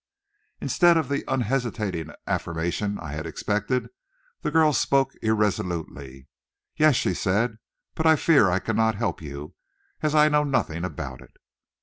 Instead of the unhesitating affirmative I had expected, the girl spoke irresolutely. "Yes," she said, "but I fear I cannot help you, as I know nothing about it."